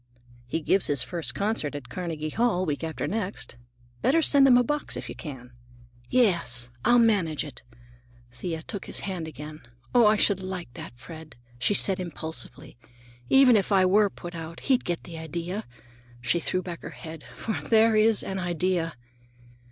"He gives his first concert at Carnegie Hall, week after next. Better send him a box if you can." "Yes, I'll manage it." Thea took his hand again. "Oh, I should like that, Fred!" she added impulsively. "Even if I were put out, he'd get the idea,"—she threw back her head,—"for there is an idea!"